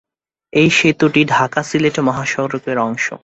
এই সেতুটি ঢাকা-সিলেট মহাসড়কের অংশ।